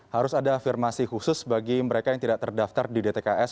harus ada afirmasi khusus bagi mereka yang tidak terdaftar di dtks